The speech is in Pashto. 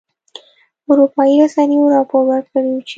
اروپایي رسنیو راپور ورکړی چې